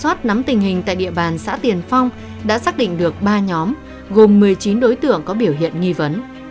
quá trình giả soát nắm tình hình tại địa bàn xã tiền phong đã xác định được ba nhóm gồm một mươi chín đối tượng có biểu hiện nghi vấn